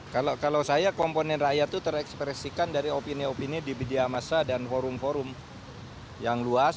kalau saya komponen rakyat itu terekspresikan dari opini opini di media masa dan forum forum yang luas